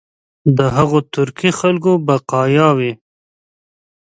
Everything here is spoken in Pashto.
د هغو ترکي خلکو بقایا وي.